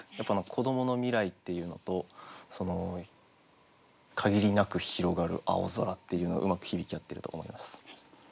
子どもの未来っていうのと限りなく広がる青空っていうのがうまく響き合ってると思います。